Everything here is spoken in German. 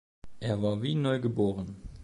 Er war wie neugeboren.